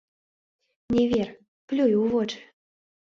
Не вер, плюй у вочы!